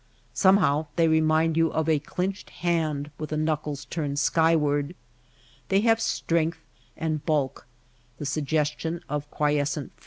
Somehow they remind you of a clinched hand with the knuckles turned skyward. They have strength and bulk, the suggestion of quiescent force. Mountain vegetation.